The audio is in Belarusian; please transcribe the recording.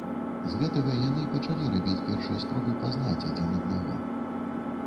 З гэтага яны і пачалі рабіць першыя спробы пазнаць адзін аднаго.